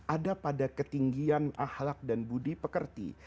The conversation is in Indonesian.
ada pada ketinggian ahlak dan budi pekerti